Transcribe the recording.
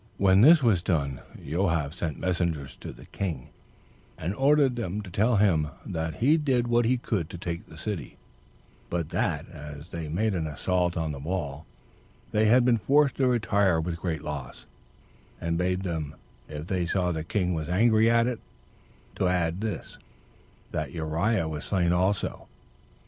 2. When this was done, Joab sent messengers to the king, and ordered them to tell him that he did what he could to take the city soon; but that, as they made an assault on the wall, they had been forced to retire with great loss; and bade them, if they saw the king was angry at it, to add this, that Uriah was slain also.